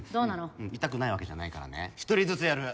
うん痛くないわけじゃないからね１人ずつやる。